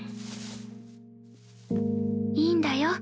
いいんだよ。